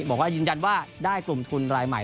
บอกว่ายืนยันว่าได้กลุ่มทุนรายใหม่